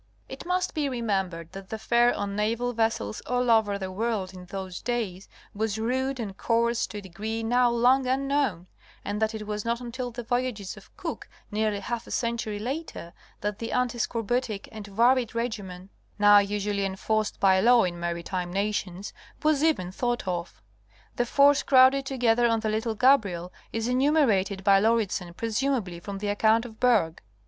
It must be remembered that the fare on naval vessels all over the world in those days, was rude and coarse to a degree now long unknown and that it was not until the voyages of Cook, nearly half a century later, that the antiscorbutic and varied regimen, now usually enforced by law in maritime nations, was even thought of. The force crowded together on the little Gabriel is enumerated by Lauridsen presumably from the account of Bergh.